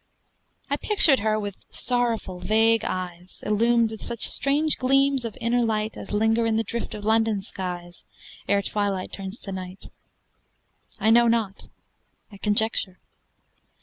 I picture her with sorrowful vague eyes, Illumed with such strange gleams of inner light As linger in the drift of London skies Ere twilight turns to night. I know not; I conjecture.